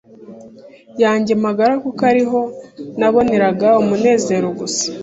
yanjye magara kuko ari ho naboneraga umunezero gusa